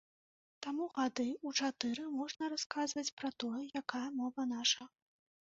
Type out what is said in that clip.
Таму гады ў чатыры можна расказваць пра тое, якая мова наша.